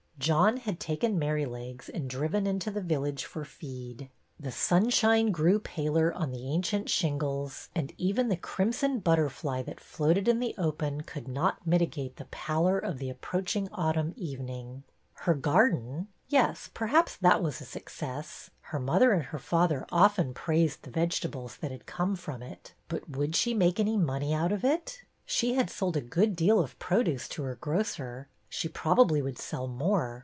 John had taken Merrylegs and driven into the village for feed. 152 BETTY BAIRD'S VENTURES The sunshine grew paler on the ancient shingles, and even the crimson butterfly that floated in the open could not mitigate the pallor of the approach ing autumn evening. Her garden? Yes, perhaps that was a success. Her mother and her father often praised the vegetables that had come from it. But would she make any money out of it ? She had sold a good deal of produce to her grocer. She probably would sell more.